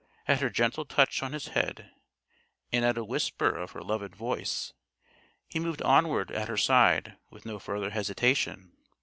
At her gentle touch on his head and at a whisper of her loved voice, he moved onward at her side with no further hesitation.